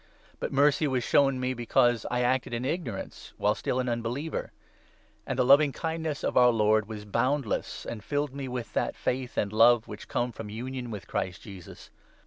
Yet mercy was shown me, because I acted in ignorance, while still an unbeliever; and the loving kindness of our Lord was boundless, and filled me 14 with that faith and love which come from union with Christ Jesus.